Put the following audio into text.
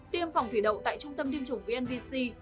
tiêm phòng thủy đậu tại trung tâm tiêm chủng vnvc